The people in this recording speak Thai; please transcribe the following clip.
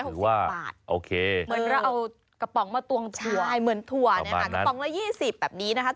เหมือนแบบเราเอากระป๋องมาตวงถั่วฟะนะครับกระป๋องละ๒๐แบบนี้นะคะประมาณนั้น